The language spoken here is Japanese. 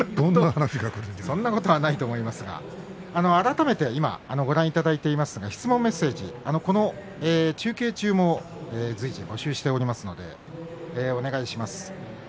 そんなことはないと思いますが改めて、質問、メッセージこの中継中も随時募集しておりますのでお願いします。